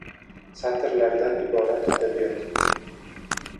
Satrlardan iborat adabiyot.